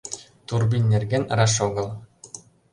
Турбин нерген раш огыл.